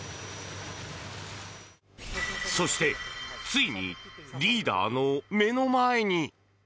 そして、ついにリーダーの目の前に！